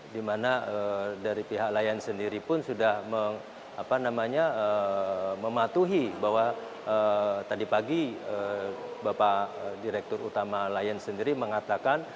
di mana dari pihak lion sendiri pun sudah mematuhi bahwa tadi pagi bapak direktur utama lion sendiri mengatakan